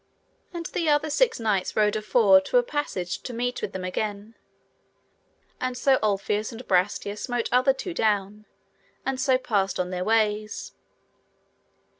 And the other six knights rode afore to a passage to meet with them again, and so Ulfius and Brastias smote other two down, and so passed on their ways.